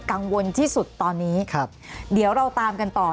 กังวลที่สุดตอนนี้ครับเดี๋ยวเราตามกันต่อ